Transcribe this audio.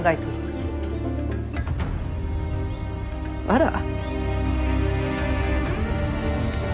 あら。